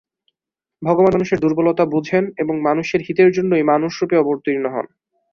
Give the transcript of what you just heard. ভগবান মানুষের দুর্বলতা বুঝেন, এবং মানুষের হিতের জন্যই মানুষরূপে অবতীর্ণ হন।